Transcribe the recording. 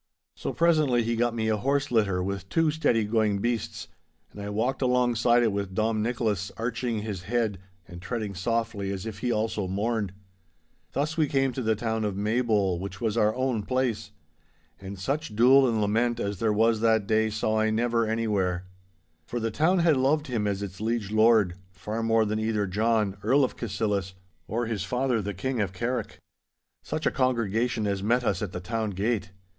So presently he got me a horse litter with two steady going beasts, and I walked alongside it with Dom Nicholas arching his head and treading softly as if he also mourned. Thus we came to the town of Maybole, which was as our own place. And such dule and lament as there was that day saw I never anywhere. For the town had loved him as its liege lord, far more than either John, Earl of Cassillis, or his father the King of Carrick. Such a congregation as met us at the town gate!